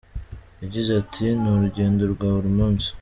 Yagize ati: "Ni urugendo rwa buri munsi.